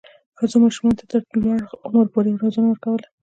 ښځو ماشومانو ته تر لوړ عمر پورې روزنه ورکوله.